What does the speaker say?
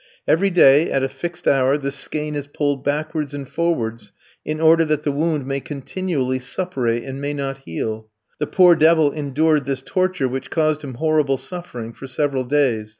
Every day at a fixed hour this skein is pulled backwards and forwards in order that the wound may continually suppurate and may not heal; the poor devil endured this torture which caused him horrible suffering, for several days.